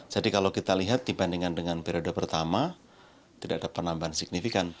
jadi kalau kita lihat dibandingkan dengan periode pertama tidak ada penambahan signifikan